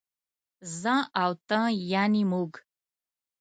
زه او ته يعنې موږ